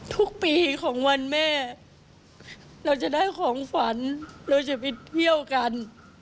ทุกปีของวันแม่เราจะได้ของฝันเราจะไปเที่ยวกัน